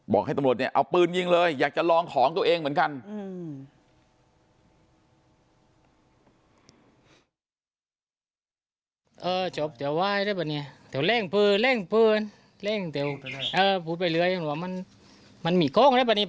ให้ตำรวจเนี่ยเอาปืนยิงเลยอยากจะลองของตัวเองเหมือนกัน